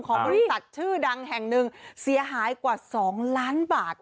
บริษัทชื่อดังแห่งหนึ่งเสียหายกว่า๒ล้านบาท